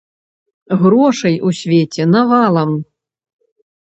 Грошай у свеце навалам!